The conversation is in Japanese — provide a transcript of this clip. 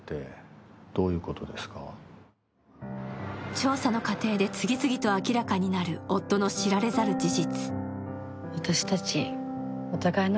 調査の過程で次々と明らかになる夫の知られざる事実。